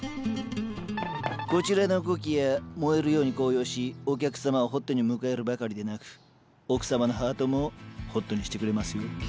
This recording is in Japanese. こちらのコキア燃えるように紅葉しお客様をホットに迎えるばかりでなく奥様のハートもホットにしてくれますよ。